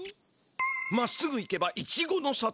まっすぐ行けばいちごの里？